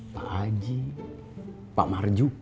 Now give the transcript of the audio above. pak haji pak marjuki